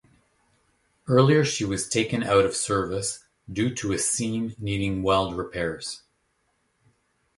Earlier she was taken out of service due to a seam needing weld repairs.